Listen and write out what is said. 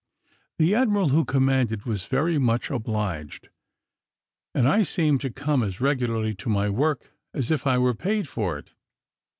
The admiral who commanded was very much obliged, and I seemed to come as regularly to my work as if I were paid for it.